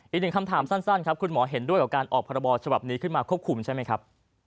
อีกหนึ่งคำถามสั้นครับคุณหมอเห็นด้วยกับการออกพรบฉบับนี้ขึ้นมาควบคุมใช่ไหมครับ